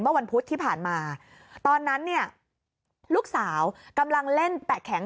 วันพุธที่ผ่านมาตอนนั้นเนี่ยลูกสาวกำลังเล่นแปะแข็ง